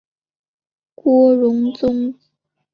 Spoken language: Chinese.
郭荣宗。